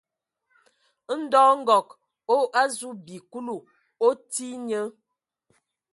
Ndɔ Nkɔg o azu bi Kulu, o tii nye.